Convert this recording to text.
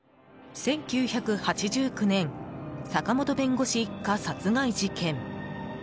１９８９年坂本弁護士一家殺害事件。